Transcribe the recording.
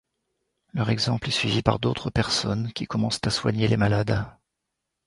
Leur exemple est suivi par d’autres personnes qui commencent à soigner les malades.